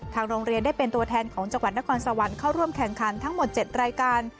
โรงเรียนได้เป็นตัวแทนของจังหวัดนครสวรรค์เข้าร่วมแข่งขันทั้งหมด๗รายการ